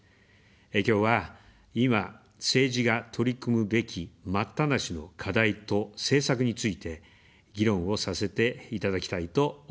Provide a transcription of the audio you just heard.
きょうは、今、政治が取り組むべき待ったなしの課題と政策について、議論をさせていただきたいと思います。